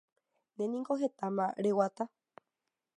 Ndéniko hetama reguata